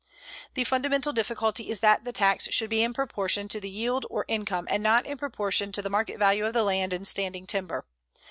The fundamental difficulty is that the tax should be in proportion to yield or income and not in proportion to the market value of the land and standing timber.